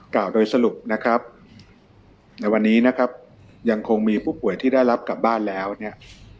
กล่าวโดยสรุปนะครับในวันนี้นะครับยังคงมีผู้ป่วยที่ได้รับกลับบ้านแล้วเนี่ย